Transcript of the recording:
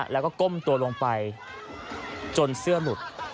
แล้วก็ก้มตัวลงไปจนเสื้อหลุด